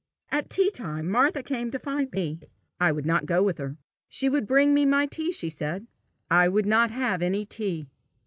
At tea time Martha came to find me. I would not go with her. She would bring me my tea, she said. I would not have any tea.